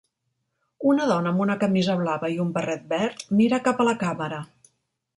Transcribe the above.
Una dona amb una camisa blava i un barret verd mira cap a la càmera.